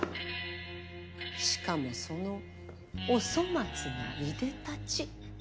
しかもそのお粗末ないでたち。